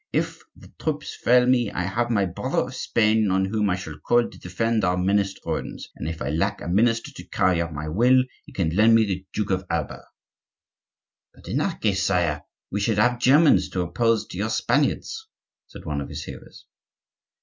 If the troops fail me, I have my brother of Spain, on whom I shall call to defend our menaced thrones, and if I lack a minister to carry out my will, he can lend me the Duke of Alba." "But in that case, sire, we should have Germans to oppose to your Spaniards," said one of his hearers.